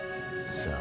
さあ。